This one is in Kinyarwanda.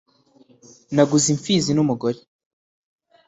Naguze imfizi n'umugore